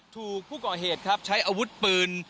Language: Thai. ถูกผู้ก่อเหตุครับใช้อาวุธปืน